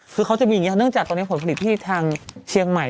คือเขาจะมีอย่างนี้เนื่องจากตอนนี้ผลผลิตที่ทางเชียงใหม่